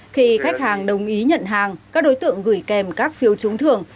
khi khách hàng đồng ý nhận hàng các đối tượng gửi kèm các phiếu trúng thường